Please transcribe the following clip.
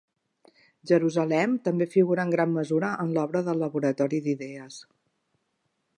Jerusalem també figura en gran mesura en l'obra del laboratori d'idees.